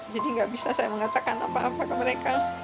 jadi nggak bisa saya mengatakan apa apa ke mereka